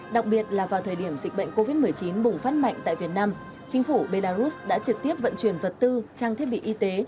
đặc biệt là vào thời điểm dịch bệnh covid một mươi chín bùng phát mạnh tại việt nam chính phủ belarus đã trực tiếp vận chuyển vật tư trang thiết bị y tế